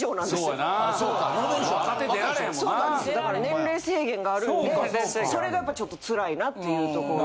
だから年齢制限があるんでそれがやっぱちょっとつらいなっていうところ。